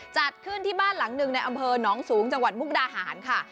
จัดขึ้นที่บ้านหลังหนึ่งในอำเภอหนองสูงจังหวัดมุกดาหารค่ะ